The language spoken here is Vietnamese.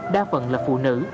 đa phần là phụ nữ